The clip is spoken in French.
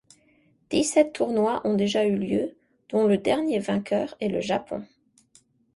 Dix-sept tournois ont déjà eu lieu dont le dernier vainqueur est le Japon.